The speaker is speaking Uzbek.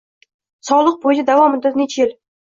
Soliq bo‘yicha da’vo muddati necha yil?